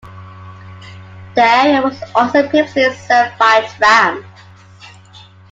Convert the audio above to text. The area was also previously served by trams.